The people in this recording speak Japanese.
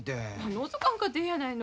のぞかんかてええやないの。